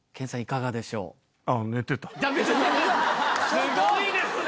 すごいですね。